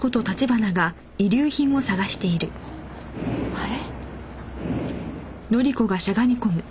あれ？